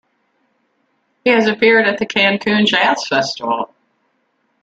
He has appeared at the Cancun Jazz Festival.